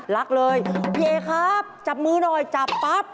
รักเลยพี่เอครับจับมือหน่อยจับปั๊บ